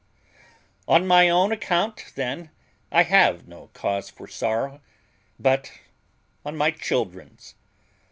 "On my own account, then, I have no cause for sorrow, but on my children's!